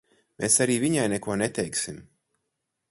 Mēs arī viņai neko neteiksim.